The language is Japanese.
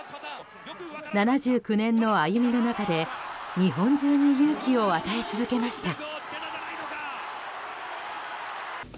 ７９年の歩みの中で日本中に勇気を与え続けました。